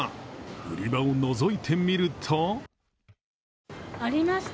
売り場をのぞいてみるとありました。